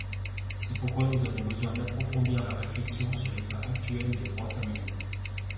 C’est pourquoi nous avons besoin d’approfondir la réflexion sur l’état actuel des droits familiaux.